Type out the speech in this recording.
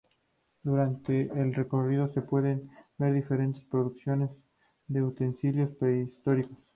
Durante el recorrido se pueden ver diferentes reproducciones de utensilios prehistóricos.